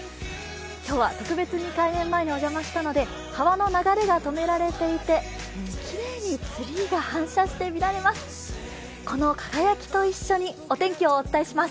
今日は特別に開園前にお邪魔したので川の流れが止められていてきれいにツリーが反射して見られます。